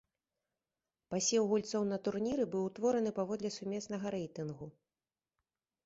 Пасеў гульцоў на турніры быў утвораны паводле сумеснага рэйтынгу.